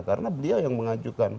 karena beliau yang mengajukan